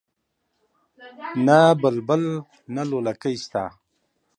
نه بلبل نه لولکۍ شته